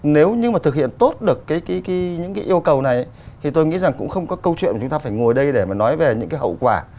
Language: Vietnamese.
nếu như mà thực hiện tốt được những cái yêu cầu này thì tôi nghĩ rằng cũng không có câu chuyện mà chúng ta phải ngồi đây để mà nói về những cái hậu quả